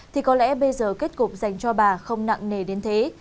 thì có lẽ bây giờ kết cục dành cho bà không nặng nề đến thế